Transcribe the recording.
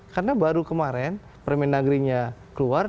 karena baru kemarin permendagri nya keluar